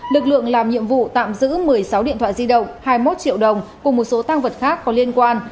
lực lượng làm nhiệm vụ tạm giữ một mươi sáu điện thoại di động hai mươi một triệu đồng cùng một số tăng vật khác có liên quan